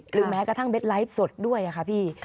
แม้กระทั่งเบ็ดไลฟ์สดด้วยค่ะพี่